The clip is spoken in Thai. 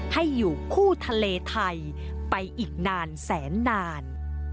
ให้อยู่คู่ทะเลไทยไปอีกนานแสนนาน